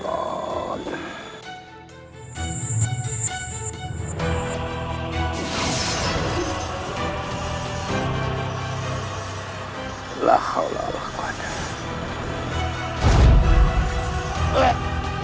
allah allah allah